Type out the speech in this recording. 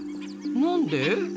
何で？